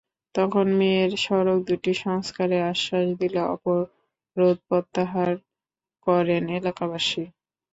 তখন মেয়র সড়ক দুটির সংস্কারের আশ্বাস দিলে অবরোধ প্রত্যাহার করেন এলাকাবাসী।